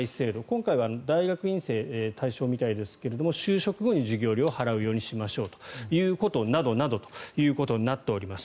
今回は大学院生対象のようですが就職後に授業料を払うようにしましょうということなどなどとなっております。